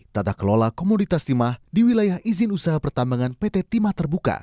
tata kelola komoditas timah di wilayah izin usaha pertambangan pt timah terbuka